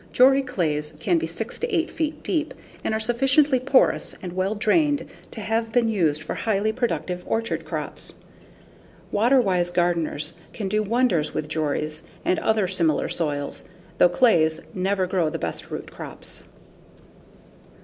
Jori clays can be 6 to 8 feet deep and are sufficiently porous and well drained to have been used for highly productive orchard crops. Water wise gardeners can do wonders with Joris and other similar soils, though clays never grow the best root crops.